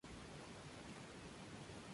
Se encuentra ubicado en la comuna de Santiago.